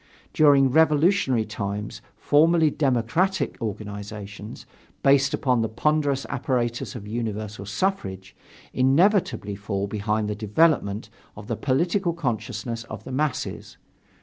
During revolutionary times, formally democratic organizations, based upon the ponderous apparatus of universal suffrage, inevitably fall behind the development of the political consciousness of the masses.